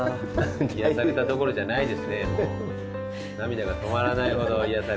癒やされたどころじゃないですね。